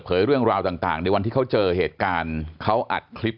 เรื่องราวต่างในวันที่เขาเจอเหตุการณ์เขาอัดคลิป